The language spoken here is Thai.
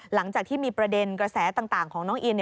หลังจากที่มีประเด็นกระแสต่างของน้องอิน